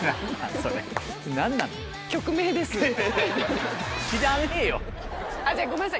それ何なの？じゃあごめんなさい。